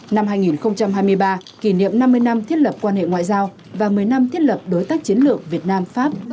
năm hai nghìn hai mươi ba kỷ niệm năm mươi năm thiết lập quan hệ ngoại giao và một mươi năm thiết lập đối tác chiến lược việt nam pháp